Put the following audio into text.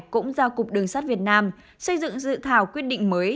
cũng giao cục đường sắt việt nam xây dựng dự thảo quyết định mới